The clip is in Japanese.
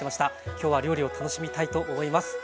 今日は料理を楽しみたいと思います。